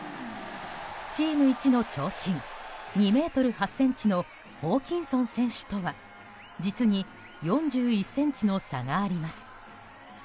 チーム一の長身、２ｍ８ｃｍのホーキンソン選手とは実に４１ｃｍの差があります。